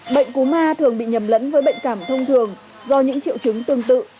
bệnh cúm a thường bị nhầm lẫn với bệnh cảm thông thường do những triệu chứng tương tự